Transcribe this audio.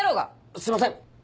すいません。